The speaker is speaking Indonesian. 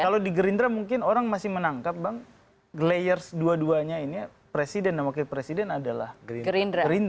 kalau di gerindra mungkin orang masih menangkap bang sandi